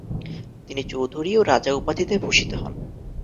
তিনি চৌধুরী ও রাজা উপাধিতে ভূষিত হন।